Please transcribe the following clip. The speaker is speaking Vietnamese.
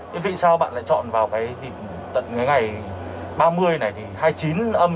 vậy sao bạn lại chọn vào cái tận ngày ba mươi này hai mươi chín âm này thì bạn lại về